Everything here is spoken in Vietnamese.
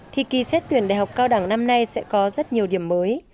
thì kỳ xét tuyển đại học cao đẳng năm nay sẽ có rất nhiều điểm mới